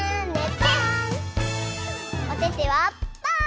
おててはパー！